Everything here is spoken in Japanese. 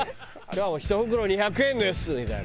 「１袋２００円です」みたいな。